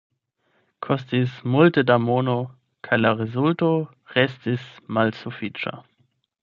Kostis multe da mono, kaj la rezulto restis malsufiĉa.